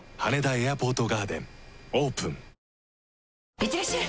いってらっしゃい！